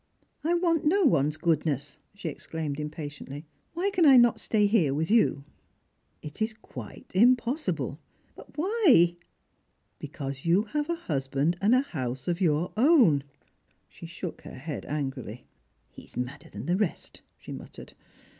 " I want no one's goodness," she exclaimed impatiently. *' Why can I not stay here with you ?"" It is quite impossible." " But why ?"" Because you have a husband and a house of your own." She shook her head angrily. " He is madder than the rest," she muttered.